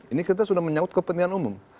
ini kita sudah menyangkut kepentingan umum